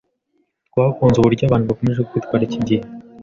twakunze uburyo abantu bakomeje kwitwara iki gihe